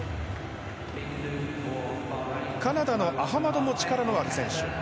カナダのアハマドも力のある選手。